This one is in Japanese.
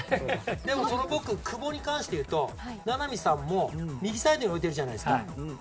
でも、久保に関して言うと名波さんも右サイドに置いているじゃないですか。